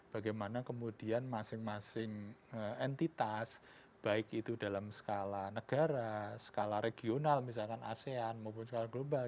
bagaimana kemudian masing masing entitas baik itu dalam skala negara skala regional misalkan asean maupun skala global